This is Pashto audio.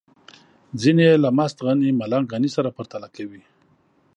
ځينې يې له مست غني ملنګ غني سره پرتله کوي.